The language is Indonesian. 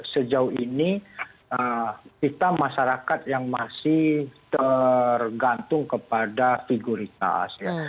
sejauh ini kita masyarakat yang masih tergantung kepada figuritas ya